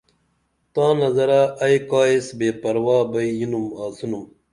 تاں نظرہ ائی کائس بے پرواہ بئی یینُم آڅِنُم